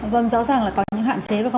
vâng rõ ràng là có những hạn chế